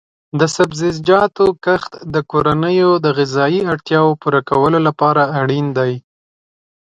د سبزیجاتو کښت د کورنیو د غذایي اړتیاو پوره کولو لپاره اړین دی.